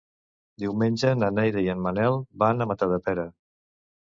Diumenge na Neida i en Manel van a Matadepera.